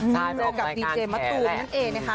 มีเรื่องกับดีเจมส์ตูงนั่นเองนะคะ